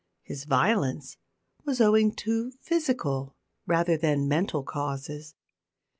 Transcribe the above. His violence was owing to physical rather than mental causes.